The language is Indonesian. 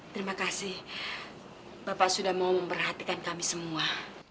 terima kasih bapak sudah mau memperhatikan kami semua